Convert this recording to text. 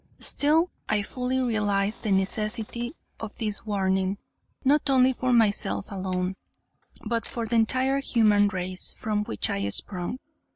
Still I fully realized the necessity of this warning; not only for myself alone, but for the entire human race from which I sprung.